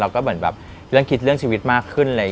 ก็เหมือนแบบเรื่องคิดเรื่องชีวิตมากขึ้น